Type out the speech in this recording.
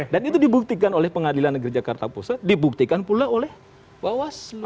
dan itu dibuktikan oleh pengadilan negeri jakarta pusat dibuktikan pula oleh bawaslu